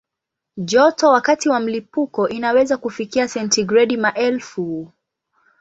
Joto wakati wa mlipuko inaweza kufikia sentigredi maelfu.